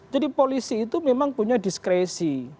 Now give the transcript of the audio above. jadi polisi itu memang punya diskresi